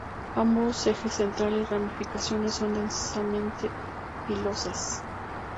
Ambos, eje central y ramificaciones son densamente pilosas.